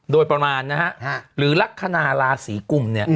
โดยประมาณนะฮะหรือลักษณะราศีกุมเนี่ย